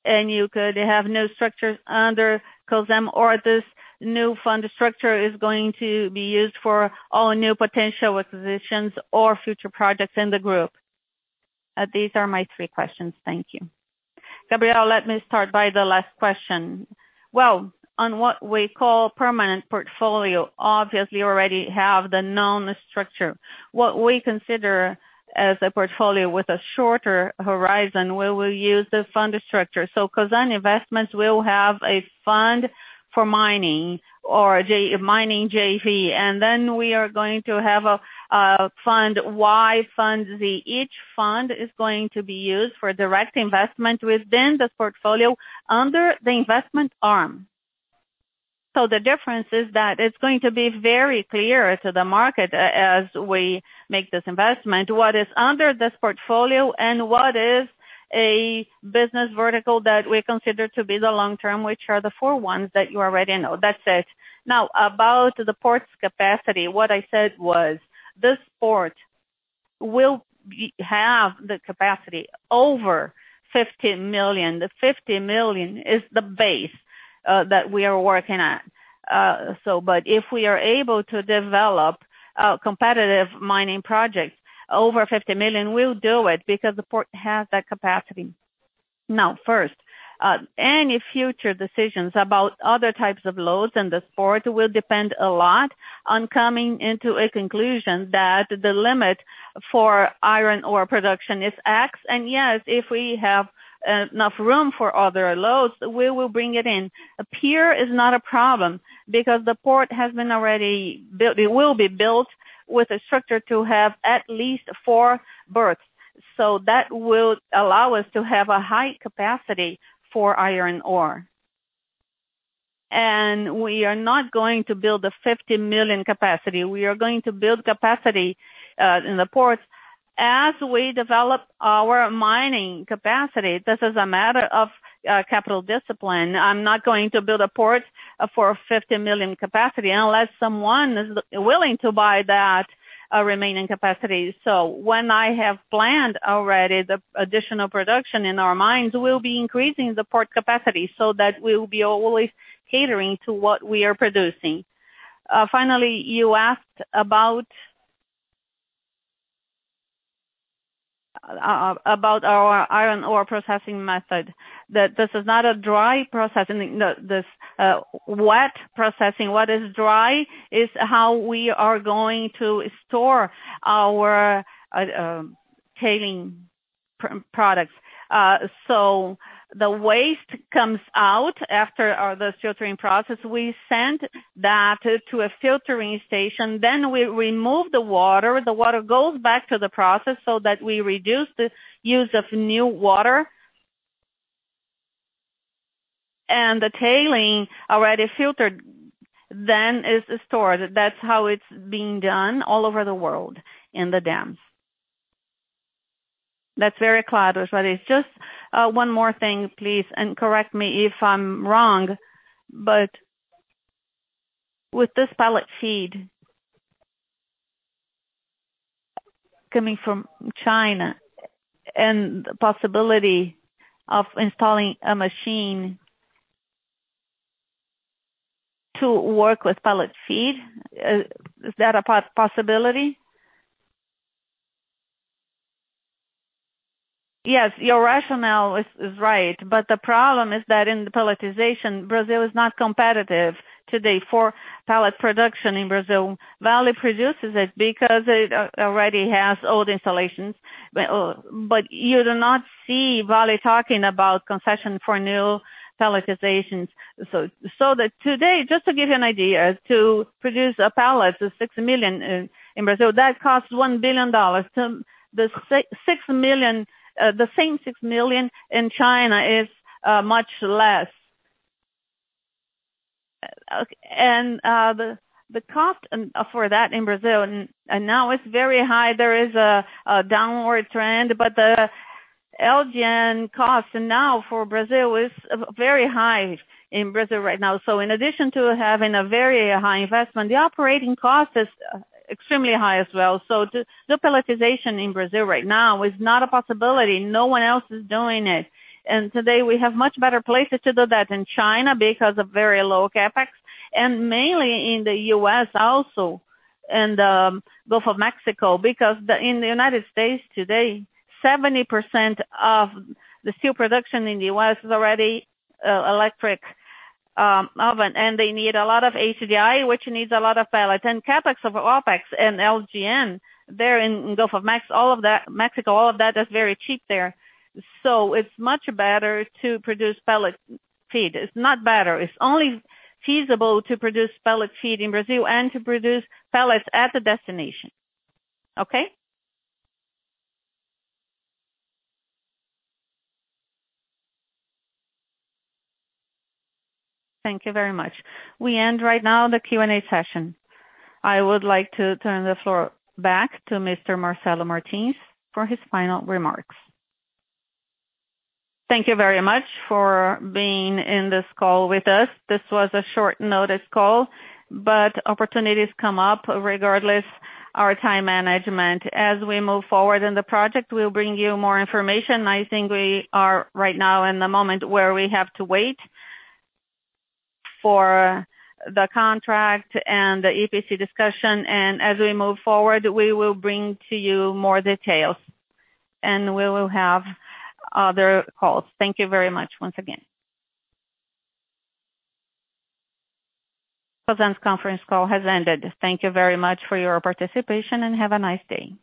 project, and you could have new structures under Cosan, or this new fund structure is going to be used for all new potential acquisitions or future projects in the group. These are my three questions. Thank you. Gabriel, let me start by the last question. Well, on what we call permanent portfolio, obviously, we already have the known structure. What we consider as a portfolio with a shorter horizon, we will use the fund structure. Cosan Investment will have a fund for mining or a mining JV. Then we are going to have a fund Y, fund Z. Each fund is going to be used for direct investment within this portfolio under the investment arm. The difference is that it's going to be very clear to the market as we make this investment, what is under this portfolio and what is a business vertical that we consider to be the long-term, which are the four ones that you already know. That's it. About the port's capacity. What I said was, this port We'll have the capacity over 50 million tons. The 50 million tons is the base that we are working at. If we are able to develop competitive mining projects over 50 million tons, we'll do it because the port has that capacity. Any future decisions about other types of loads in this port will depend a lot on coming into a conclusion that the limit for iron ore production is X, and yes, if we have enough room for other loads, we will bring it in. A pier is not a problem because the port has been already built. It will be built with a structure to have at least four berths. That will allow us to have a high capacity for iron ore. We are not going to build a 50-million capacity. We are going to build capacity in the ports as we develop our mining capacity. This is a matter of capital discipline. I'm not going to build a port for a 50 million capacity unless someone is willing to buy that remaining capacity. When I have planned already the additional production in our mines, we'll be increasing the port capacity so that we'll be always catering to what we are producing. Finally, you asked about our iron ore processing method. That this is not a dry processing, this wet processing. What is dry is how we are going to store our tailing products. We send that to a filtering station, then we remove the water. The water goes back to the process so that we reduce the use of new water. The tailing already filtered then is stored. That's how it's being done all over the world in the dams. That's very clear. Just one more thing, please, and correct me if I'm wrong, with this pellet feed coming from China and the possibility of installing a machine to work with pellet feed, is that a possibility? Yes, your rationale is right, the problem is that in the pelletization, Brazil is not competitive today for pellet production in Brazil. Vale produces it because it already has old installations. You do not see Vale talking about concession for new pelletizations. That today, just to give you an idea, to produce a pellet of 6 million tons in Brazil, that costs $1 billion. The same 6 million tons in China is much less. The cost for that in Brazil, and now it's very high. There is a downward trend, but the LNG cost now for Brazil is very high in Brazil right now. In addition to having a very high CapEx, the OpEx is extremely high as well. The pelletization in Brazil right now is not a possibility. No one else is doing it. Today we have much better places to do that in China because of very low CapEx, and mainly in the U.S. also, in the Gulf of Mexico, because in the United States today, 70% of the steel production in the U.S. is already electric oven, and they need a lot of HBI, which needs a lot of pellets. CapEx, OpEx, and LNG there in Gulf of Mexico, all of that is very cheap there. It's much better to produce pellet feed. It's not better. It's only feasible to produce pellet feed in Brazil and to produce pellets at the destination. Okay. Thank you very much. We end right now the Q&A session. I would like to turn the floor back to Mr. Marcelo Martins for his final remarks. Thank you very much for being in this call with us. This was a short-notice call, but opportunities come up regardless our time management. As we move forward in the project, we'll bring you more information. I think we are right now in the moment where we have to wait for the contract and the EPC discussion, and as we move forward, we will bring to you more details, and we will have other calls. Thank you very much once again. Cosan's conference call has ended. Thank you very much for your participation, and have a nice day.